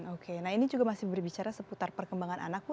oke nah ini juga masih berbicara seputar perkembangan anakmu